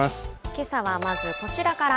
けさはまず、こちらから。